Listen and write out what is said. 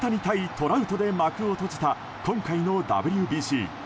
トラウトで幕を閉じた今回のＷＢＣ。